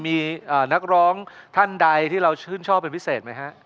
มีนักร้องท่านใดที่เราชื่นชอบเป็นพิเศษไหมฮะ